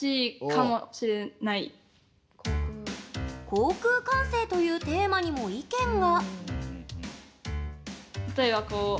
航空管制というテーマにも意見が。